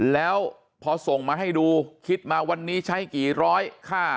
แล้วพอส่งมาให้ดูคิดมาวันนี้ใช้กี่ร้อยค่า